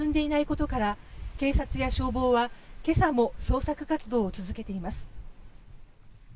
ことから警察や消防は今朝も捜索活動を続けています。